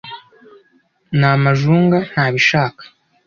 Ni amajunga ntabashika